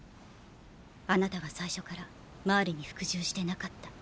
あなたは最初からマーレに服従してなかった。